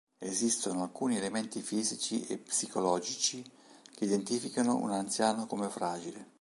Esistono alcuni elementi fisici e psicologici che identificano un anziano come fragile.